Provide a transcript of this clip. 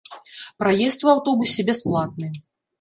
Праезд у аўтобусе бясплатны.